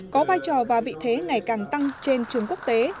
có vai trò và vị thế ngày càng tăng trên trường quốc tế